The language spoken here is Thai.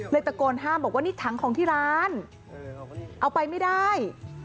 ตะโกนห้ามบอกว่านี่ถังของที่ร้านเอาไปไม่ได้